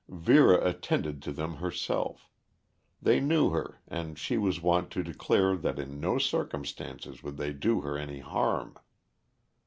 Vera attended to them herself; they knew her and she was wont to declare that in no circumstances would they do her any harm.